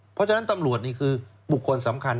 เพราะฉะนั้นตำรวจนี่คือบุคคลสำคัญ